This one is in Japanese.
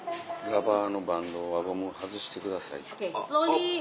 ラバーのバンドを輪ゴムを外してください。